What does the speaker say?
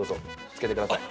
着けてください。